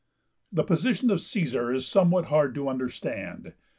The position of Caesar is somewhat hard to understand.